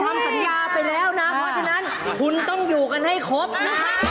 ทำสัญญาไปแล้วนะเพราะฉะนั้นคุณต้องอยู่กันให้ครบนะฮะ